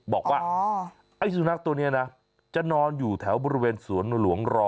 บอกว่าไอ้สุนัขตัวนี้นะจะนอนอยู่แถวบริเวณสวนหลวงรอ